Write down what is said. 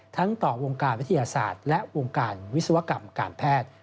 ต่อวงการวิทยาศาสตร์และวงการวิศวกรรมการแพทย์